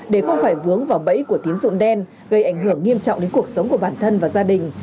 để không phải vướng vào bẫy của tiến dụng đen gây ảnh hưởng nghiêm trọng đến cuộc sống của bản thân và gia đình